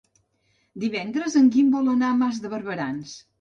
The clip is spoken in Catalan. Divendres en Guim vol anar a Mas de Barberans.